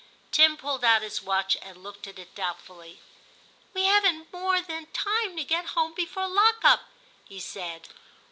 Tim pulled out his watch and looked at it doubtfully. ' We haven't more than time to get home before lock up,' he said.